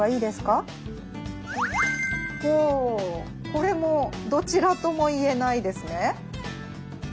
これもどちらとも言えないですね。